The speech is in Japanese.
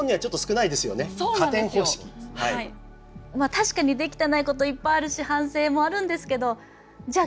確かにできてないこといっぱいあるし反省もあるんですけどじゃあ